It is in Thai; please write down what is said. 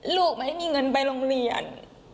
ลูกไม่มีเงินไปโรงเรียน